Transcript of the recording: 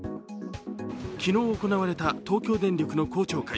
昨日、行われた東京電力の公聴会。